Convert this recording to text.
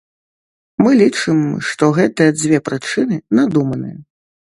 Мы лічым, што гэтыя дзве прычыны надуманыя.